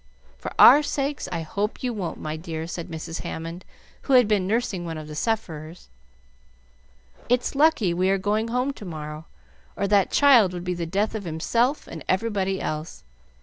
"For our sakes, I hope you won't, my dear," said Mrs. Hammond, who had been nursing one of the sufferers. "It's lucky we are going home to morrow, or that child would be the death of himself and everybody else.